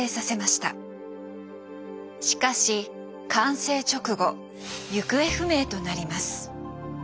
しかし完成直後行方不明となります。